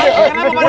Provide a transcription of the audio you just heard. kenapa pak dio